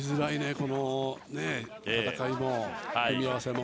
この戦い、組み合わせは。